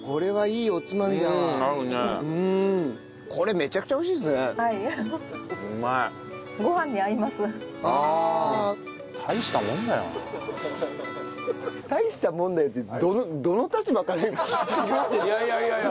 いやいやいやいや。